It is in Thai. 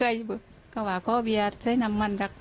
เบอร์ลูอยู่แบบนี้มั้งเยอะมาก